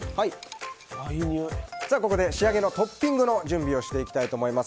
ここで仕上げのトッピングの準備をしていきたいと思います。